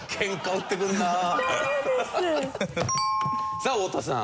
さあ太田さん。